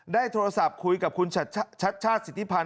ได้โทรศัพท์คุยกับคุณชัดชาติสิทธิพันธ